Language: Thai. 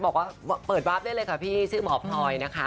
บอกว่าเปิดวาร์ฟได้เลยค่ะพี่ชื่อหมอพลอยนะคะ